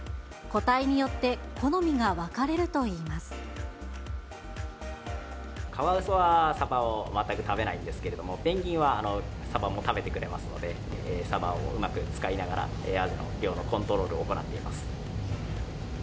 個体によって好みが分かれるカワウソはサバを全く食べないんですけれども、ペンギンはサバも食べてくれますので、サバをうまく使いながら、アジの量のコントロールを行っています。